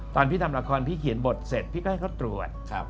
พี่ทำละครพี่เขียนบทเสร็จพี่ก็ให้เขาตรวจ